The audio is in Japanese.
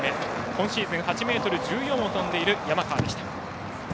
今シーズン８ｍ１４を跳んでいる山川。